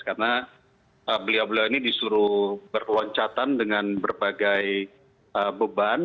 karena beliau beliau ini disuruh berloncatan dengan berbagai beban